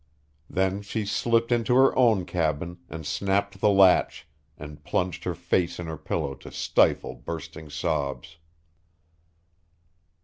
Then she slipped into her own cabin, and snapped the latch, and plunged her face in her pillow to stifle bursting sobs.